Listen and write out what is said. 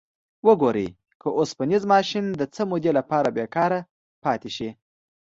وګورئ که اوسپنیز ماشین د څه مودې لپاره بیکاره پاتې شي.